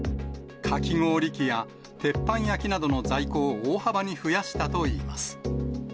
かき氷器や鉄板焼きなどの在庫を大幅に増やしたといいます。